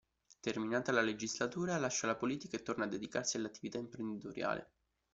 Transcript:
Terminata la legislatura lascia la politica e torna a dedicarsi all'attività imprenditoriale.